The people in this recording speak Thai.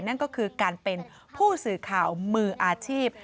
นั่นก็คือการเป็นผู้สื่อข่าวมืออาชีพ